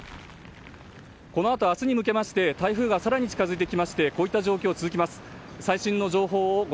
このあと、明日にかけて台風が更に近づいてきてこういった状況が続きます。